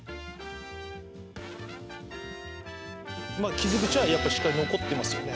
傷口はやっぱりしっかり残ってますよね。